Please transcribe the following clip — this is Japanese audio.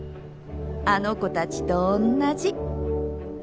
あの子たちとおんなじ